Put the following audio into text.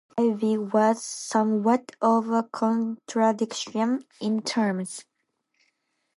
The term "Jesuit Ivy" was somewhat of a contradiction in terms.